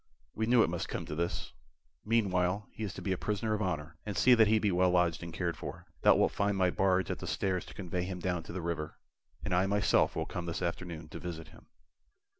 "We knew it must come to this. Meanwhile he is to be a prisoner of honor, and see that he be well lodged and cared for. Thou wilt find my barge at the stairs to convey him down the river, and I myself will come this afternoon to visit him."